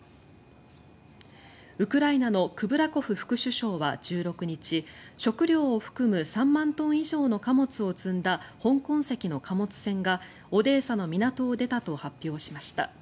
ウクライナのクブラコフ副首相は１６日食料を含む３万トン以上の貨物を積んだ香港籍の貨物船がオデーサの港を出たと発表しました。